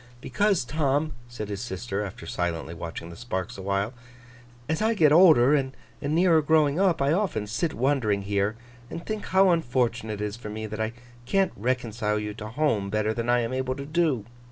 'Because, Tom,' said his sister, after silently watching the sparks awhile, 'as I get older, and nearer growing up, I often sit wondering here, and think how unfortunate it is for me that I can't reconcile you to home better than I am able to do.